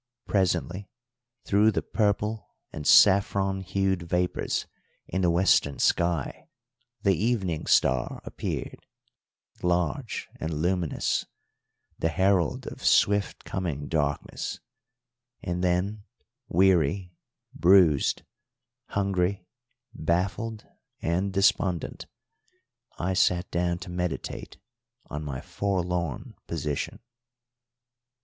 Presently, through the purple and saffron hued vapours in the western sky, the evening star appeared, large and luminous, the herald of swift coming darkness; and then weary, bruised, hungry, baffled, and despondent I sat down to meditate on my forlorn position.